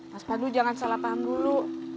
mas pandu jangan salah paham dulu